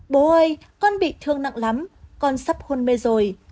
bố ơi con bị thương nặng lắm con sắp khôn mê rồi